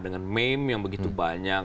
dengan meme yang begitu banyak